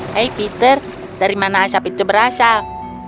hei peter dari mana asap itu berasal